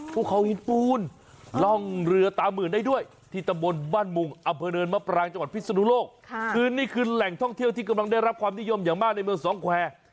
ภูเขาหินปูนร่องเรือตามื่นได้ด้วยที่ตำบลบ้านมุงอำเภอเนินมะปรางจังหวัดพิศนุโลกคือนี่คือแหล่งท่องเที่ยวที่กำลังได้รับความนิยมอย่างมากในเมืองสองแควร์